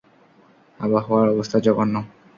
আবহাওয়ার অবস্থা জঘন্য!